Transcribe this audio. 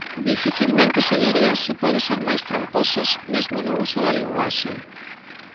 Dificilmente, señorías, se pode ser máis tramposos, mesmo no uso da linguaxe.